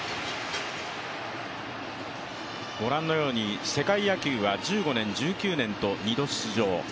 ご覧のように世界野球は１５年、１９年と２度出場。